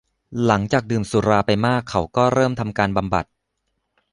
หลังจากดื่มสุราไปมากเขาก็เริ่มทำการบำบัด